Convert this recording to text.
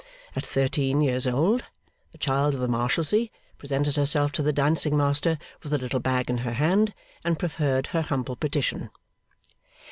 At thirteen years old, the Child of the Marshalsea presented herself to the dancing master, with a little bag in her hand, and preferred her humble petition.